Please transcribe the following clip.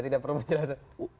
tidak perlu menjelaskan